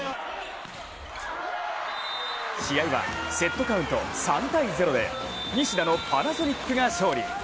試合はセットカウント３−０で西田のパナソニックが勝利。